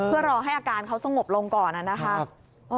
เพื่อรอให้อาการเขาสงบลงก่อนนะครับ